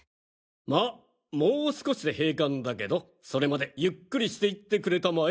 まあもう少しで閉館だけどそれまでゆっくりしていってくれたまえ。